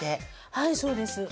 はいそうです。